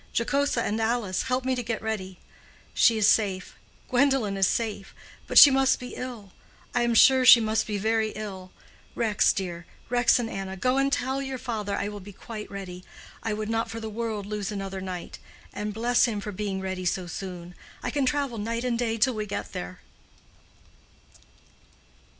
Jocosa and Alice, help me to get ready. She is safe—Gwendolen is safe—but she must be ill. I am sure she must be very ill. Rex, dear—Rex and Anna—go and and tell your father I will be quite ready. I would not for the world lose another night. And bless him for being ready so soon. I can travel night and day till we get there."